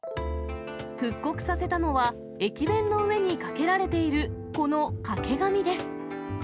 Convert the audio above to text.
復刻させたのは、駅弁の上にかけられている、この掛け紙です。